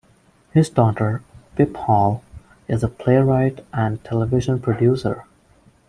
His daughter, Pip Hall, is a playwright and television producer.